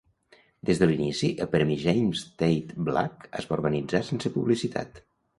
Des de l'inici, el premi James Tait Black es va organitzar sense publicitat.